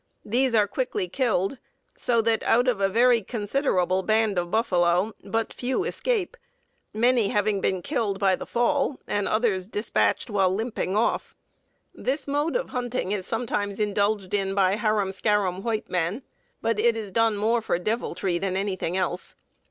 These are quickly killed, so that out of a very considerable band of buffalo but few escape, many having been killed by the fall and others dispatched while limping off. This mode of hunting is sometimes indulged in by harum scarum white men, but it is done more for deviltry than anything else.